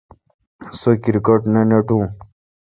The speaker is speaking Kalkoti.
سو کرکٹ نہ ناٹو۔